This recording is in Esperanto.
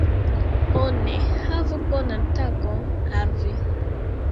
Bone, havu bonan tagon al vi